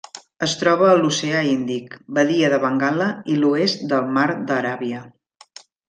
Es troba a l'Oceà Índic: badia de Bengala i l'oest del Mar d'Aràbia.